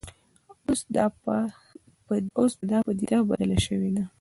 اوس دا په پدیده بدله شوې ده